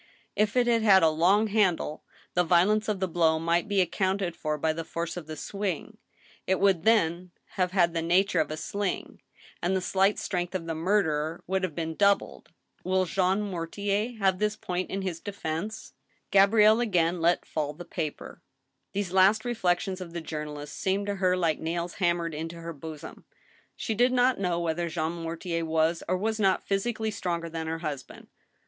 If it had had a long handle, the violence of the blow might be accounted for by the force of the swing ; it would then have had the nature of * Answeriofi^ to our grand juiy.— Translator. l6o ^^^ STEEL HAMMER. a sfing, and the slight strength of the murderer would have been doubled. Will Jean Mortier use this point in his defense ?" Gabrielle again let fall the paper. These last reflections of the journalist seemed to her like nails hammered into her bosom. She did not know whether Jean Mortier was or was not physi cally stronger than her husband.